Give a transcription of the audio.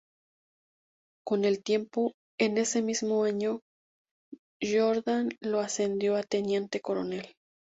Con el tiempo, en ese mismo año, Jordan lo ascendió a Teniente Coronel.